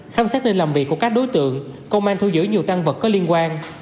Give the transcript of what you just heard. khám sát nên làm việc của các đối tượng công an thu giữ nhiều tăng vật có liên quan